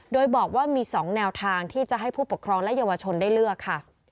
โดยบอกว่ามี๒แนวทางที่จะให้ผู้ปกครองและเยาวชนได้เลือกค่ะ